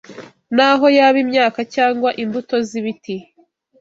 naho yaba imyaka cyangwa imbuto z’ibiti